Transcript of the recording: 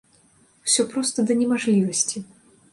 Усё проста да немажлівасці!